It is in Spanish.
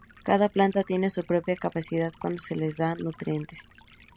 Cada planta tiene su propia capacidad cuando se les dan nutrientes.